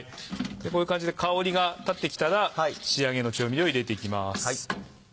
こういう感じで香りが立ってきたら仕上げの調味料を入れていきます。